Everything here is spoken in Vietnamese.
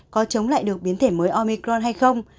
có chống lại được biến thể mới omicron hay không